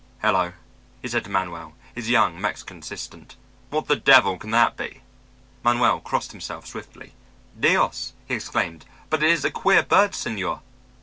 "Hello," he said to Manuel, his young Mexican assistant, "what the devil can that be?" Manuel crossed himself swiftly. "Dios!" he exclaimed, "but it is a queer bird, señor."